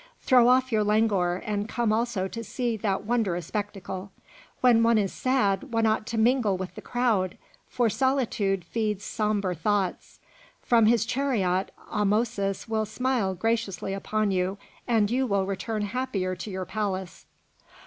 Throw off your languor and come also to see that wondrous spectacle. When one is sad, one ought to mingle with the crowd, for solitude feeds sombre thoughts. From his chariot Ahmosis will smile graciously upon you, and you will return happier to your palace."